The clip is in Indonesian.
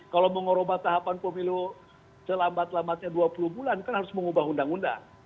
kalau mengurubah tahapan pemilu selambat lambatnya dua puluh bulan kan harus mengubah undang undang